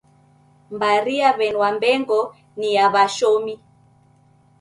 Mbari ya W'eni Wambengo ni ya w'ashomi